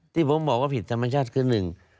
ที่ผมบอกว่าผิดธรรมชาติคือหนึ่ง